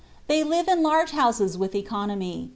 They live in large houses with economy.